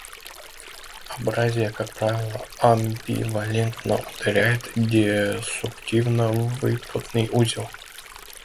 Абразия, как правило, амбивалентно ударяет десуктивно-выпотной узел.